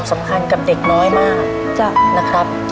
สำคัญกับเด็กน้อยมากนะครับ